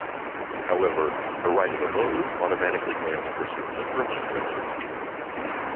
However, a right of abode automatically grants persons a permanent residency.